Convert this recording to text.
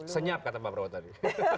senyap kata mbak mbak wot tadi